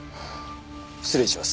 失礼します。